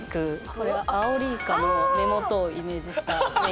これはアオリイカの目元をイメージしたメイクです。